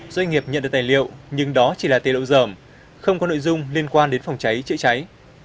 doanh nghiệp nhận được tài liệu nhưng đó chỉ là tê lộ dởm không có nội dung liên quan đến phòng cháy chữa cháy